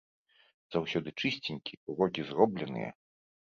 Заўсёды чысценькі, урокі зробленыя.